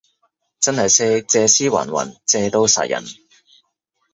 真係識借屍還魂，借刀殺人